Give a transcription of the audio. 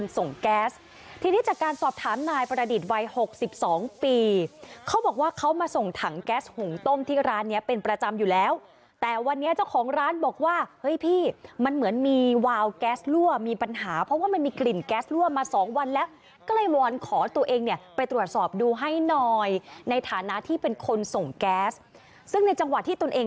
แก๊สทีนี้จากการสอบถามนายประดิษฐ์วัยหกสิบสองปีเขาบอกว่าเขามาส่งถังแก๊สหุงต้มที่ร้านเนี้ยเป็นประจำอยู่แล้วแต่วันนี้เจ้าของร้านบอกว่าเฮ้ยพี่มันเหมือนมีวาวแก๊สรั่วมีปัญหาเพราะว่ามันมีกลิ่นแก๊สรั่วมาสองวันแล้วก็เลยวอนขอตัวเองเนี่ยไปตรวจสอบดูให้หน่อยในฐานะที่เป็นคนส่งแก๊สซึ่งในจังหวะที่ตนเอง